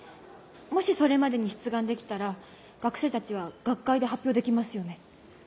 もしそれまでに出願できたら学生たちは学会で発表できますよね？